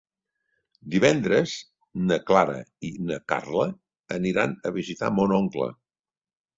Divendres na Clara i na Carla aniran a visitar mon oncle.